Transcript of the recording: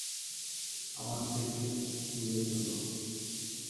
আমার থেকে দূরে চোদো!